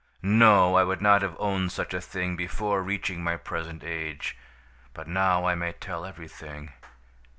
"No! I would not have owned such a thing before reaching my present age. But now I may tell everything.